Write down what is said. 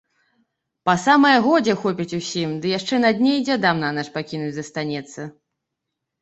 Па самае годзе хопіць усім, ды яшчэ на дне й дзядам нанач пакінуць застанецца.